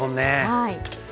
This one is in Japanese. はい。